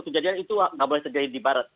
kejadian itu nggak boleh terjadi di barat